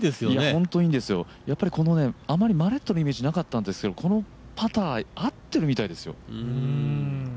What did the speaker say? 本当にいいですよ、あまりマレットのイメージなかったんですがこのパター、合ってるみたいですよ